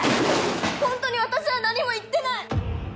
ホントに私は何も言ってない。